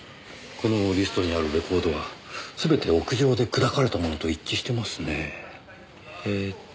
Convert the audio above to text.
このリストにあるレコードは全て屋上で砕かれたものと一致してますねぇ。